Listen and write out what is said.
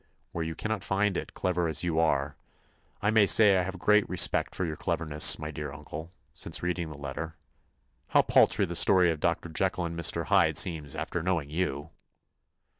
"Where you cannot find it, clever as you are. I may say I have great respect for your cleverness, my dear uncle, since reading the letter. How paltry the story of Dr. Jekyl and Mr. Hyde seems after knowing you!"